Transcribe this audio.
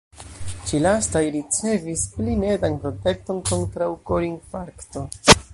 Ĉi-lastaj ricevis pli netan protekton kontraŭ korinfarkto.